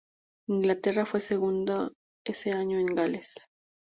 Inglaterra fue segunda ese año en Gales.